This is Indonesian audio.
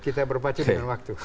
kita berpacu dengan waktu